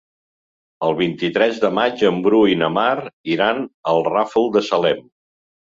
El vint-i-tres de maig en Bru i na Mar iran al Ràfol de Salem.